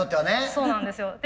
そうなんですよ。